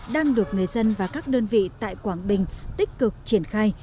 đang được người dân và các đơn vị tại quảng bình tích cực triển khai